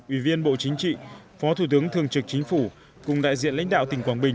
ủy viên bộ chính trị phó thủ tướng thường trực chính phủ cùng đại diện lãnh đạo tỉnh quảng bình